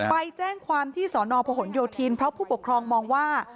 ไปแจ้งความที่สพยพพมมองว่า